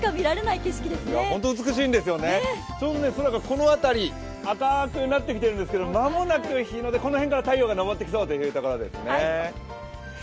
空がちょうどこの辺り赤くなってきているんですけど、間もなく日の出、この辺から太陽が昇ってきそうというところですね。